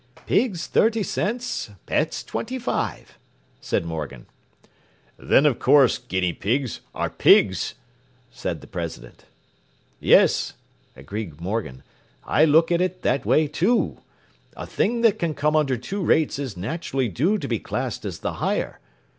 “Pigs thirty cents, pets twenty five,” said Morgan. “Then of course guinea pigs are pigs,” said the president. “Yes,” agreed Morgan, “I look at it that way, too. A thing that can come under two rates is naturally due to be classed as the higher.